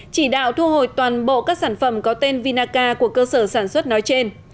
chỉ đạo thu hồi toàn bộ các sản phẩm có tên vinaca của cơ sở sản xuất nói trên